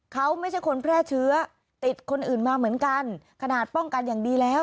เขาไม่ใช่คนแพร่เชื้อติดคนอื่นมาเหมือนกันขนาดป้องกันอย่างดีแล้ว